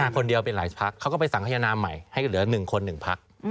คนเดียวเป็นหลายพักเขาก็ไปสังขยนามใหม่ให้เหลือ๑คน๑พัก